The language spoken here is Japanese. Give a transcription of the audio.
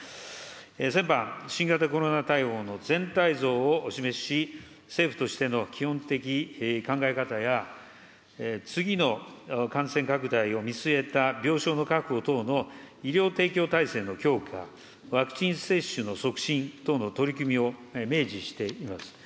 先般、新型コロナ対応の全体像をお示しし、政府としての基本的考え方や、次の感染拡大を見据えた病床の確保等の医療提供体制の強化、ワクチン接種の促進等の取り組みを明示しています。